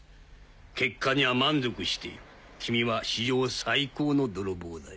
結果には満足している君は史上最高の泥棒だよ。